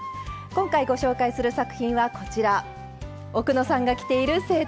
今回ご紹介する作品はこちら奥野さんが着ているセットアップです！